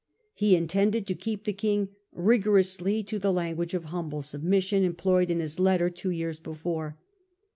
He intended to keep the king rigorously to the language of humble submission em ployed in his letter two years before.